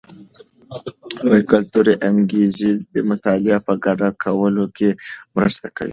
کلتوري انګیزې د مطالعې په ګډه کولو کې مرسته کوي.